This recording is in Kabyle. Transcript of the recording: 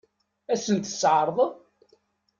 Ad sent-tt-tɛeṛḍeḍ?